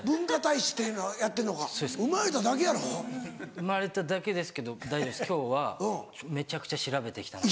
生まれただけですけど大丈夫です今日はめちゃくちゃ調べて来たんで。